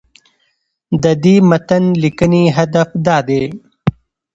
د دې متن لیکنې هدف دا دی